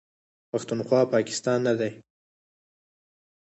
پښتونخوا، پاکستان نه دی.